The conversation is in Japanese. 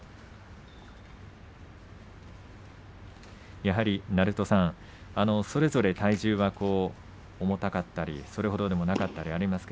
やはり鳴戸さん、それぞれ体重は重たかったりそれほどでもなかったりもあります。